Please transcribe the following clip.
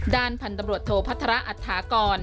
ด้านพันธบรวจโทพัฒระอัตถากร